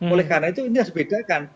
oleh karena itu ini harus dibedakan